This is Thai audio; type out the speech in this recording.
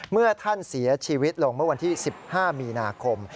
เมื่อท่านเสียชีวิตลงเมื่อวันที่๑๕มีนาคม